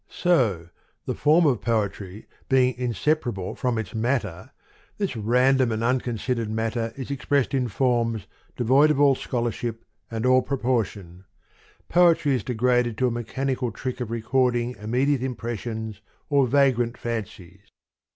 So, the form of poetry being inseparable from its matter, this random and unconsidered mat ter is expressed in forms, devoid of all scholarship and all proportion : poetry is degraded to a mechanical trick of record ing immediate impressions or vagrant fan cies.